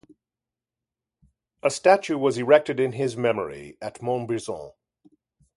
A statue was erected in his memory at Montbrison.